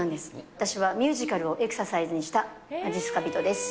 私はミュージカルをエクササイズにしたまじっすか人です。